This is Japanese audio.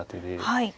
はい。